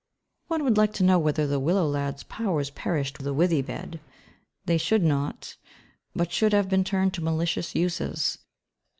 One would like to know whether the Willow lad's powers perished with the withy bed. They should not, but should have been turned to malicious uses.